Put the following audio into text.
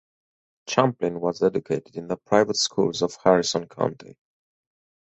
Champlin was educated in the private schools of Harrison County.